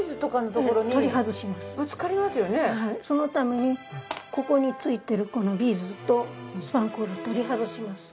そのためにここに付いてるこのビーズとスパンコールを取り外します。